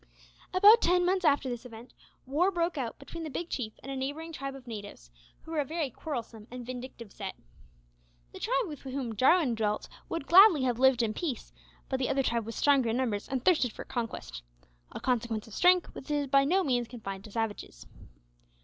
About ten months after this event, war broke out between the Big Chief and a neighbouring tribe of natives, who were a very quarrelsome and vindictive set. The tribe with whom Jarwin dwelt would gladly have lived at peace, but the other tribe was stronger in numbers and thirsted for conquest a consequence of strength which is by no means confined to savages!